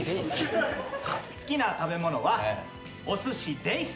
好きな食べ物はおすしでいす。